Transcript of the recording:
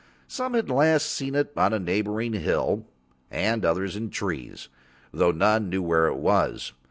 Some had last seen it on a neighbouring hill and others in trees, though none knew where it was.